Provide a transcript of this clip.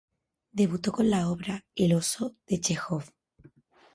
Debutó con la obra "El oso", de Chejov.